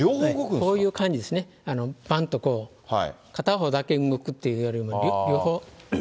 こういう感じですね、ばんと、こう、片方だけ動くというよりも、両方。